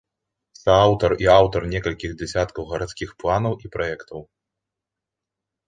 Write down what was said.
Сааўтар і аўтар некалькіх дзесяткаў гарадскіх планаў і праектаў.